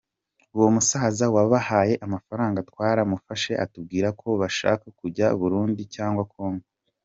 Uwo musaza wabahaye amafaranga twaramufashe atubwira ko bashaka kujya Burundi cyangwa Congo.